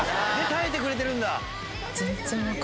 耐えてくれてるんだ。